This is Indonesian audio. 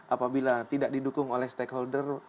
apabila tidak didukung oleh stakeholder